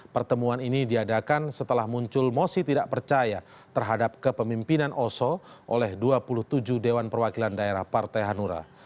pertemuan ini diadakan setelah muncul mosi tidak percaya terhadap kepemimpinan oso oleh dua puluh tujuh dewan perwakilan daerah partai hanura